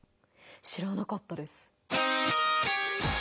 知らなかったです。